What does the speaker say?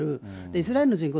イスラエルの人口